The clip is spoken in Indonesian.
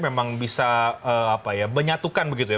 memang bisa apa ya menyatukan begitu ya